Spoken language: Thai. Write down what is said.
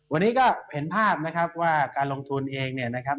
วันนี้ก็เห็นภาพนะครับว่าการลงทุนเองเนี่ยนะครับ